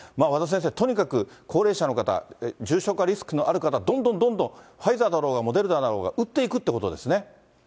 和田先生、とにかく高齢者の方、重症化リスクのある方、どんどんどんどん、ファイザーだろうが、モデルナだろうが打っていくってことですね。